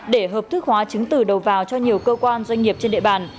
để hợp thức hóa chứng từ đầu vào cho nhiều cơ quan doanh nghiệp trên địa bàn